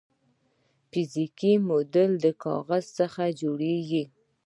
فزیکي موډل د کاغذ څخه جوړیږي.